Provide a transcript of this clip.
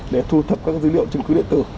để thu thập các dữ liệu chứng cứ điện tử